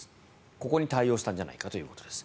ここに対応したんじゃないかということです。